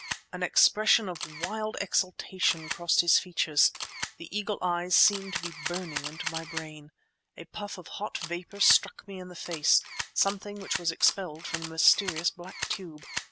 An expression of wild exultation crossed his features; the eagle eyes seemed to be burning into my brain. A puff of hot vapour struck me in the face—something which was expelled from the mysterious black tube.